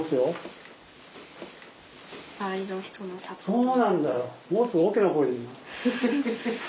そうなんだよ。